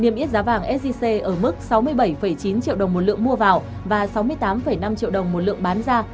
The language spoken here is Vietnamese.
niêm yết giá vàng sgc ở mức sáu mươi bảy chín triệu đồng một lượng mua vào và sáu mươi tám năm triệu đồng một lượng bán ra